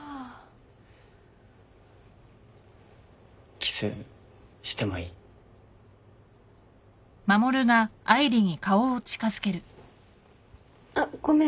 キスしてもいい？あっごめん。